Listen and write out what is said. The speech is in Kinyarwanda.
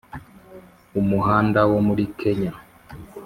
umuhanda wo muri kenya